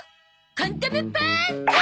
カンタムパーンチ！